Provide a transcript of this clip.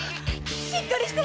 しっかりして！